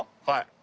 はい。